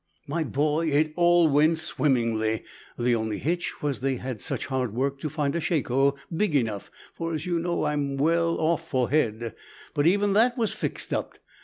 "My boy, it all went swimmingly. The only hitch was they had such hard work to find a shako big enough, for, as you know, I'm well off for head. But even that was fixed up.